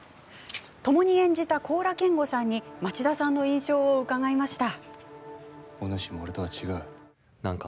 ともに演じた高良健吾さんに町田さんの印象を伺いました。